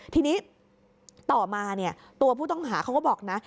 ทีนี้ต่อมาตัวผู้ต้องหาเขาก็บอกนะ